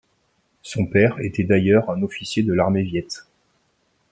Son père était d'ailleurs un officier de l'armée Viet.